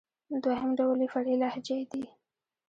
دوهم ډول ئې فرعي لهجې دئ.